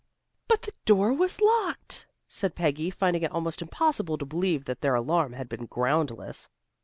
"But the door was locked," said Peggy, finding it almost impossible to believe that their alarm had been groundless.